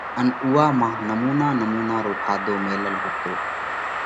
ان اُوئا مانه نمُونا نمُونا رو کاڌو ميلل هتو۔